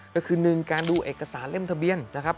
ก็คือ๑การดูเอกสารเล่มทะเบียนนะครับ